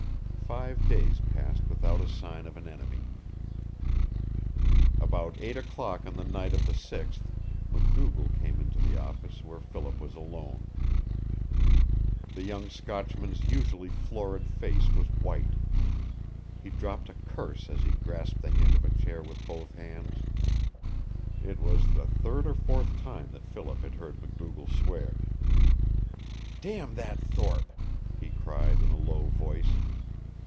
Five days passed without a sign of an enemy. About eight o'clock on the night of the sixth MacDougall came into the office, where Philip was alone. The young Scotchman's usually florid face was white. He dropped a curse as he grasped the back of a chair with both hands. It was the third or fourth time that Philip had heard MacDougall swear. "Damn that Thorpe!" he cried, in a low voice.